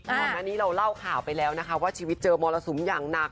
ก่อนหน้านี้เราเล่าข่าวไปแล้วนะคะว่าชีวิตเจอมรสุมอย่างหนัก